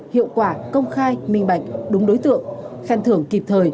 hiệu quả công khai minh bạch đúng đối tượng khen thưởng kịp thời